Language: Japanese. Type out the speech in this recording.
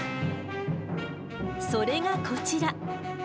それがこちら。